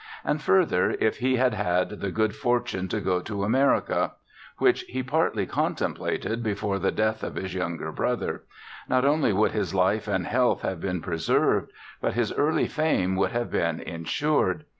And, further, if he had had the good fortune to go to America, which he partly contemplated before the death of his younger brother, not only would his life and health have been preserved, but his early fame would have been insured.